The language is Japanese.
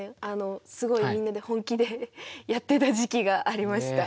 すごいみんなで本気でやってた時期がありました。